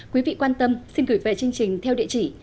quý vị quan tâm xin gửi về chương trình theo địa chỉ